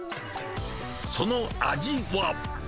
その味は。